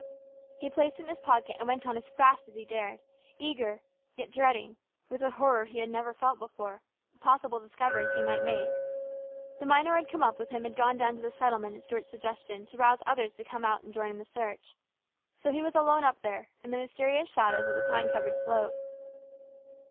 He placed it in his pocket, and went on as fast as he dared, eager, and yet dreading, with a horror he never felt before, the possible discoveries he might make. The miner who had come up with him had gone down to the settle ment at Stuart's suggestion to rouse others to come out and join in the search. So he was alone up there in the mysterious shadows of the pine covered slope.